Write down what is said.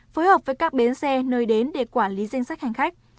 phối hợp với các bến xe nơi đến để quản lý danh sách hành khách